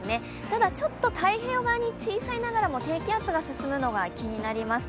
ただ、ちょっと太平洋側に小さいながらも低気圧が進むのが気になります。